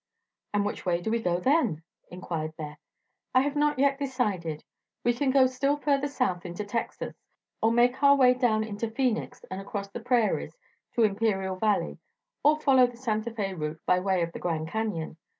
"And which way do we go then?" inquired Beth. "I have not yet decided. We can go still farther south, into Texas, or make our way down into Phoenix and across the prairies to Imperial Valley, or follow the Santa Fe route by way of the Grand Canyon."